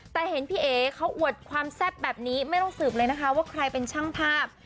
แต่เห็นพี่เอ๋เขาอวดความแซ่บแบบนี้ไม่ต้องสืบเลยนะคะว่าใครเป็นช่างภาพ